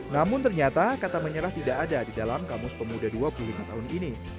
namun ternyata kata menyerah tidak ada di dalam kamus pemuda dua puluh lima tahun ini